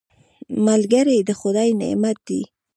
ملګری د خدای نعمت دی